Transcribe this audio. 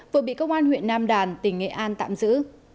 vừa bị công an huyện nam đàn tỉnh nghệ an tạm giữ